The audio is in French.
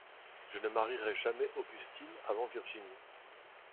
Je ne marierai jamais Augustine avant Virginie.